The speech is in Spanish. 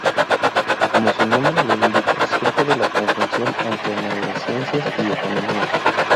Como su nombre lo indica, surge de la conjunción entre neurociencias y economía.